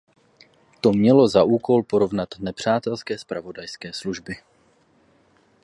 To mělo za úkol pozorovat nepřátelské zpravodajské služby.